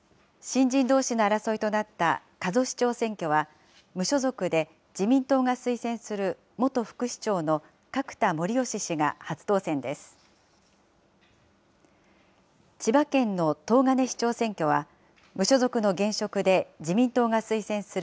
新人どうしの争いとなった、加須市長選挙は、無所属で自民党が推薦する、元副市長の角田守良氏が初当選です。